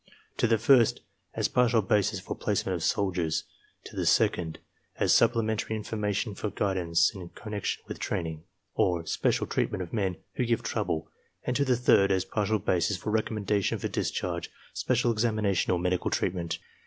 To the first, as partial basis for placement of soldiers; to the second, as supple mentary information for guidance in connection with training, or special treatment of men who give trouble; and to the third, as partial basis for reconamendation for discharge, special examination, or medical treatment.